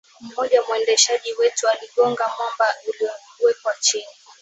mmoja mwendeshaji wetu aligonga mwamba uliowekwa chini